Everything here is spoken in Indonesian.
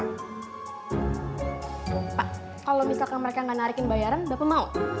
pak kalo misalkan mereka ga narikin bayaran bapak mau